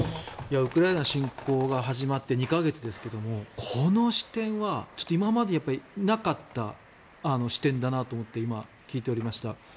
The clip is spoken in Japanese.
ウクライナ侵攻が始まって２か月ですがこの視点は今までなかった視点だなと思って今、聞いておりました。